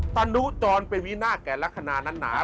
ตนุจรเป็นวินาศแก่ลักษณะนั้นหนา